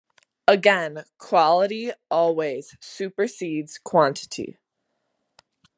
Again, quality always supersedes quantity.